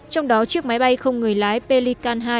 trong đó chiếc máy bay không người lái pelican hai